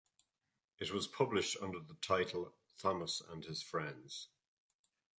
It was published under the title "Thomas and His Friends".